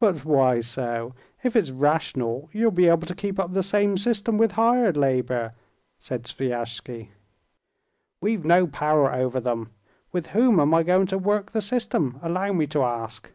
"But why so? If it's rational, you'll be able to keep up the same system with hired labor," said Sviazhsky. "We've no power over them. With whom am I going to work the system, allow me to ask?"